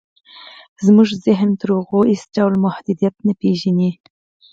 زموږ ذهن تر هغو هېڅ ډول محدوديت نه پېژني.